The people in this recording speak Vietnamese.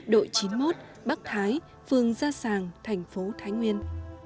đội chín mươi một bắc thái phường gia sàng thành phố thái nguyên